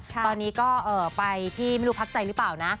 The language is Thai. ตอนนี้ก็ไปที่ไม่รู้พักใจหรือเปล่านะ